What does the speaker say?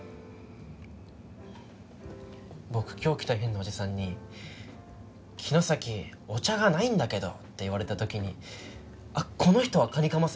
僕今日来た変なおじさんに「木之崎お茶がないんだけど」って言われた時に「あっこの人は蟹釜先生だ」って思ったんです。